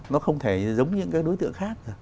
nó không thể giống những cái đối tượng khác